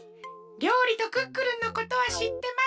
りょうりとクックルンのことはしってます。